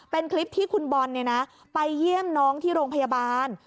เป็นคลิปที่คุณบอลไปเยี่ยมน้องที่โรงพยาบาล